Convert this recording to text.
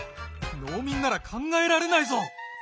農民なら考えられないぞ。